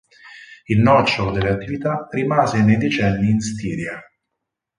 Il nocciolo delle attività rimase nei decenni in Stiria.